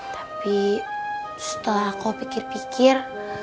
tapi setelah kau pikir pikir